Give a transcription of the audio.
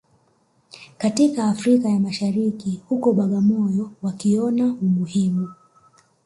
katika Afrika ya Mashariki huko Bagamoyo wakiona umuhimu